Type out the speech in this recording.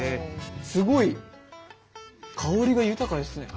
すごい香りが豊かですね。